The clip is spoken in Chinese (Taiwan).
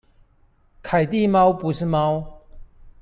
凱蒂貓不是貓